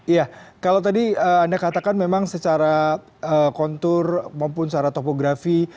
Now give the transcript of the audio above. iya kalau tadi anda katakan memang secara kontur maupun secara topografi